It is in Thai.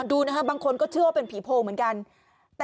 แม่อิ่งห้อยหรือเปล่า